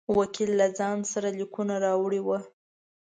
وکیل له ځان سره لیکونه راوړي وه.